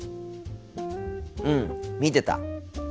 うん見てた。